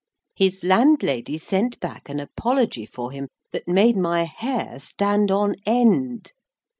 His landlady sent back an apology for him that made my hair stand on end.